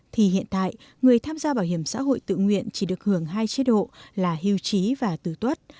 thì hiện tại người tham gia bảo hiểm xã hội tự nguyện chỉ được hưởng hai chế độ là hưu trí và tử tuất